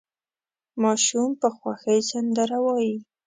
ماشوم په خوښۍ سندره وايي.